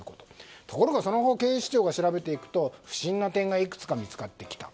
ところがその後警視庁が調べていくと不審な点がいくつか見つかってきた。